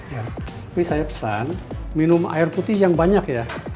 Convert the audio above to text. ini saya pesan minum air putih yang banyak ya